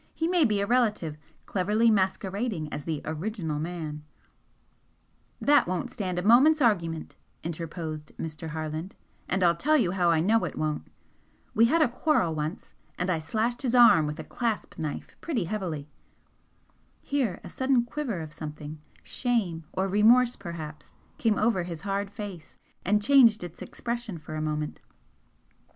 He may be a relative, cleverly masquerading as the original man " "That won't stand a moment's argument," interposed Mr. Harland "And I'll tell you how I know it won't. We had a quarrel once, and I slashed his arm with a clasp knife pretty heavily." Here a sudden quiver of something, shame or remorse perhaps came over his hard face and changed its expression for a moment.